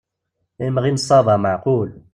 Imɣi n ṣṣaba meεqul.